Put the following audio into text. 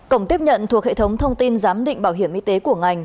cổng tiếp nhận thuộc hệ thống thông tin giám định bảo hiểm y tế của ngành